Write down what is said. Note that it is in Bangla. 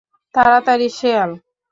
তাড়াতাড়ি, শেয়াল!